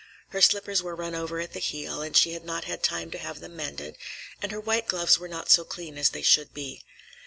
Her slippers were run over at the heel and she had not had time to have them mended, and her white gloves were not so clean as they should be.